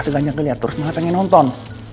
nyokap lu gak segaja liat terus malah pengen nonton